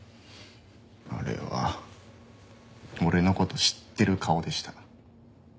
あれは俺の事知ってる顔でした。